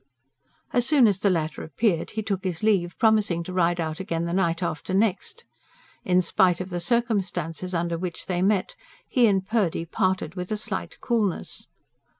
As soon as the latter appeared he took his leave, promising to ride out again the night after next. In spite of the circumstances under which they met, he and Purdy parted with a slight coolness.